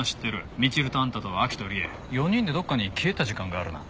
みちるとあんたと亜希と理恵４人でどっかに消えてた時間があるな？